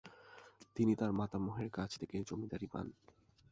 তিনি তার মাতামহের কাছ থেকে জমিদারি পান।